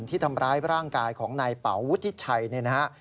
ที่ทำร้ายร่างกายของนายเป๋าวุฒิชัยเนี่ยนะฮะ